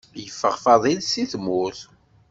Yeffeɣ Faḍil si tmurt.